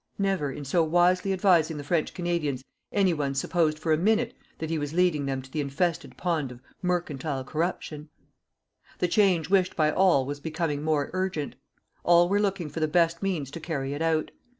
Never, in so wisely advising the French Canadians, any one supposed for a minute that he was leading them to the infested pond of mercantile corruption. The change wished by all was becoming more urgent. All were looking for the best means to carry it out.